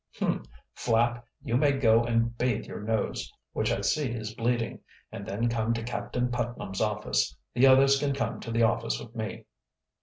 "Hum! Flapp, you may go and bathe your nose, which I see is bleeding, and then come to Captain Putnam's office. The others can come to the office with me."